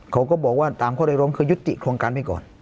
เขาก็บอกว่าก็ยุติโครงการไปก่อน